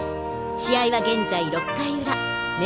試合は現在６回裏明